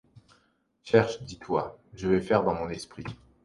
Cherche ; dis-toi :— Je vais faire dans mon esprit